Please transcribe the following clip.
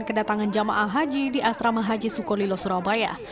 kedatangan jemaah haji di asrama haji sukolilo surabaya